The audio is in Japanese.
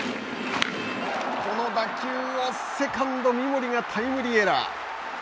この打球をセカンド三森がタイムリーエラー。